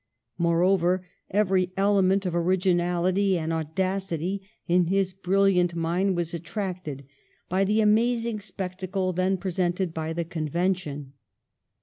Moreover, every element of originality and audacity in his brilliant mind was attracted by the amazing spectacle then presented by the Convention.